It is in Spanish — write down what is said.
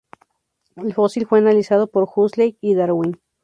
El fósil fue analizado por Huxley y Darwin.